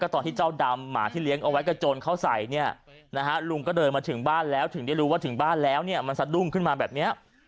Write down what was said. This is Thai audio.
ตอนที่เจ้าดำหมาที่เลี้ยงเอาไว้กระโจนเข้าใส่เนี่ยนะฮะลุงก็เดินมาถึงบ้านแล้วถึงได้รู้ว่าถึงบ้านแล้วเนี่ยมันสะดุ้งขึ้นมาแบบนี้